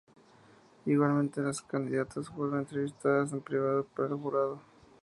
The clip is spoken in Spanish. Igualmente, las candidatas fueron entrevistadas en privado por el jurado.